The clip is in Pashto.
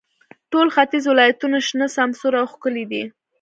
ټول ختیځ ولایتونو شنه، سمسور او ښکلي دي.